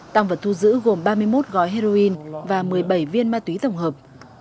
tăng vật thu giữ gồm ba mươi một gói heroin và một mươi bảy viên ma túy tổng hợp